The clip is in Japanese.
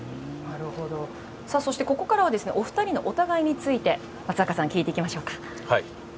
そして、ここからはお二人のお互いについて松坂さん聞いていきましょうか。